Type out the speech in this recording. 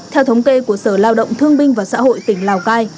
theo thống kê của sở lao động thương binh và xã hội tỉnh lào cai